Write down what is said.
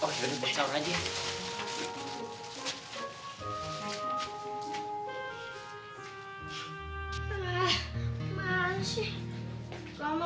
eh ke belakang ya